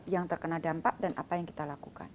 yang terkena dampak dan apa yang kita lakukan